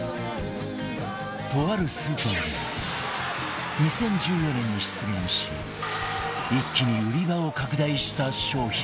とあるスーパーでは２０１４年に出現し一気に売り場を拡大した商品